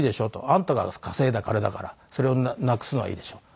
「あんたが稼いだ金だからそれをなくすのはいいでしょう」。